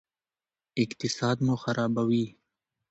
اقتصاد مو خرابوي.